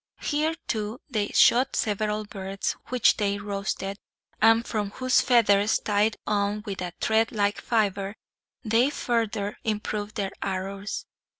Here, too, they shot several birds, which they roasted, and from whose feathers, tied on with a thread like fiber, they further improved their arrows.